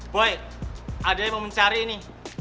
boy ada yang mau mencari ini